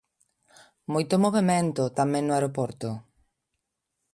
Moito movemento tamén no aeroporto.